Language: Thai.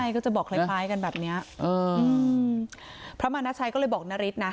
ก็จะบอกคล้ายคล้ายกันแบบเนี้ยเอออืมพระมานาชัยก็เลยบอกนาริสนะ